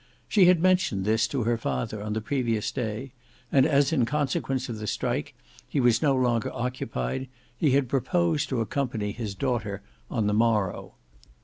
She had mentioned this to her father on the previous day, and as in consequence of the strike, he was no longer occupied, he had proposed to accompany his daughter on the morrow.